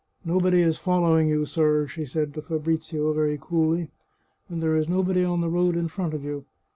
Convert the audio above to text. " Nobody is following you, sir," she said to Fabrizio very coolly, " and there is nobody on the road in front of you.